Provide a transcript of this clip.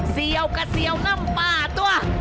เสี่ยวกระเสี่ยวนั่มป่าด้วย